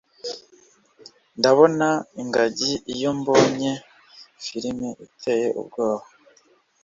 Ndabona ingagi iyo mbonye firime iteye ubwoba